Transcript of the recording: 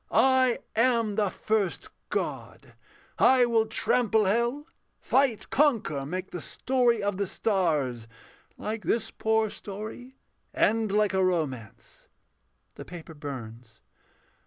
I am the first God; I will trample hell, Fight, conquer, make the story of the stars, Like this poor story, end like a romance: [_The paper burns.